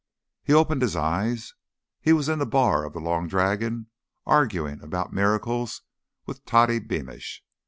He opened his eyes. He was in the bar of the Long Dragon, arguing about miracles with Toddy Beamish.